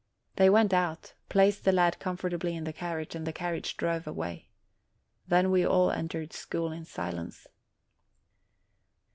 They went out, placed the lad comfortably in the carriage, and the carriage drove away. Then we all entered school in silence.